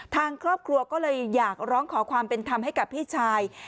ทางครอบครัวก็เลยอยากร้องขอความเป็นธรรมให้กับพี่ชาย